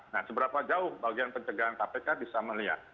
nah seberapa jauh bagian pencegahan kpk bisa melihat